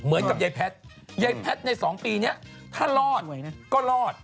เหมือนกับยายแพทย์ยายแพทย์ใน๒ปีนี้ถ้ารอดก็รอด